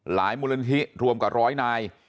หลายมุลนิธิรวมกับ๑๐๐นาย